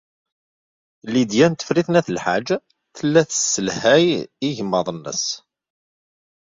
Lidya n Tifrit n At Lḥaǧ tella tesselhay igmaḍ-nnes.